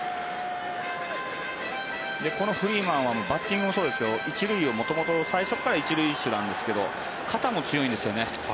このフリーマンはバッティングもそうですけど最初から１塁手なんですけど肩も強いんですよね。